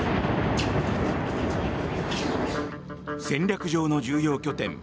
戦略上の重要拠点